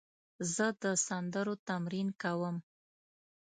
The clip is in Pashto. زه د سندرو تمرین کوم.